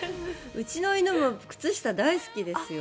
うちの犬も靴下大好きですよ。